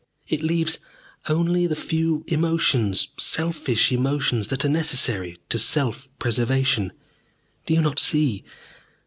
It leaves only the few emotions, selfish emotions, that are necessary to self preservation. Do you not see?